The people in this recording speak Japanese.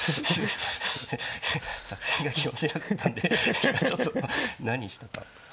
作戦勝ちを狙ってたんでちょっと何したか。